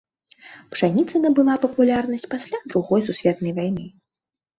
Пшаніца набыла папулярнасць пасля другой сусветнай вайны.